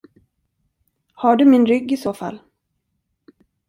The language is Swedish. Har du min rygg isåfall?